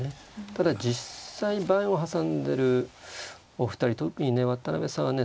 ただ実際盤を挟んでるお二人特にね渡辺さんはね